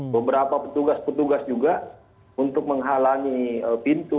beberapa petugas petugas juga untuk menghalangi pintu